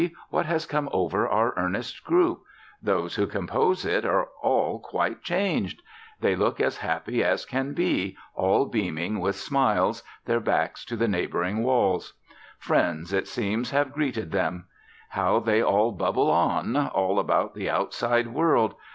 What has come over our earnest group? Those who compose it are all quite changed. They look as happy as can be, all beaming with smiles, their backs to the neighbouring walls. Friends, it seems, have greeted them. How they all bubble on, all about the outside world!